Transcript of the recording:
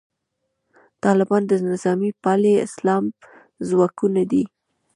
طالبان د نظامي پالي اسلام ځواکونه دي.